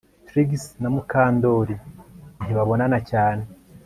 Trix na Mukandoli ntibabonana cyane